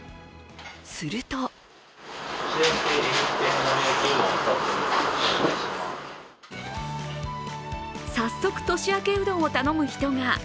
すると早速、年明けうどんを頼む人が。